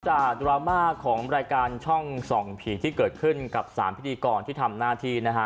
ดราม่าของรายการช่องส่องผีที่เกิดขึ้นกับ๓พิธีกรที่ทำหน้าที่นะฮะ